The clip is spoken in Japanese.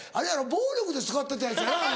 暴力で使ってたやつやな。